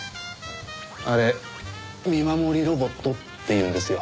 あれ見守りロボットっていうんですよ。